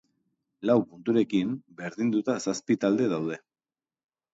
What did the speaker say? Lau punturekin berdinduta zazpi taldea daude.